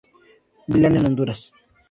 Milan en Honduras.